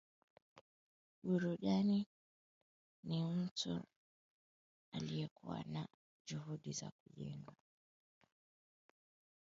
burudani na ni mtu aliyekua mwenye juhudi za kujenga fikra za maendeleo ya vijana